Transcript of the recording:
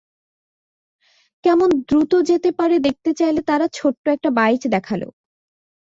কেমন দ্রুত যেতে পারে দেখতে চাইলে তারা ছোট্ট একটা বাইচ দেখাল।